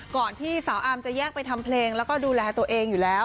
ก่อนที่สาวอาร์มจะแยกไปทำเพลงแล้วก็ดูแลตัวเองอยู่แล้ว